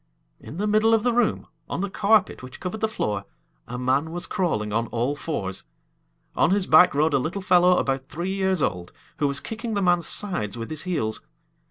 In the middle of the room, on the carpet which covered the floor, a man was crawling on all fours. On his back rode a little fellow about three years old, who was kicking the man's sides with his heels.